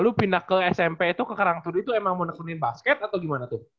lu pindah ke smp itu ke karangtur itu emang mau nekunin basket atau gimana tuh